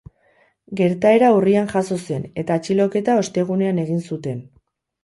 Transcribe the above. Gertaera urrian jazo zen, eta atxiloketa ostegunean egin zuten.